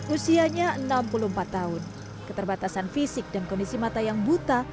usianya enam puluh empat tahun keterbatasan fisik dan kondisi mata yang buta